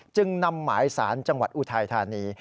จึงนำหมายสารจังหวัดอุทัยธานี